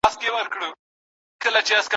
لا به تر څو د کربلا له تورو